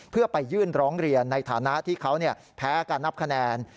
เพื่อไปยื่นร้องเรียนในฐานะที่เขาแพ้การนับคะแนน